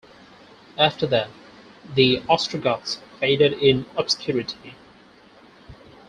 After that, the Ostrogoths faded in obscurity.